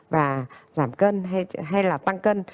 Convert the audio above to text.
và giảm cân hay là tăng cân